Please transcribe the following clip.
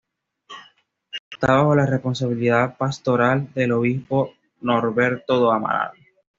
Esta bajo la responsabilidad pastoral del obispo Norberto Do Amaral.